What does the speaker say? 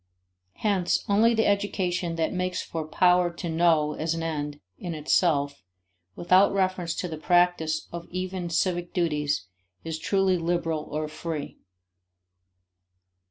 Hence only the education that makes for power to know as an end in itself, without reference to the practice of even civic duties, is truly liberal or free.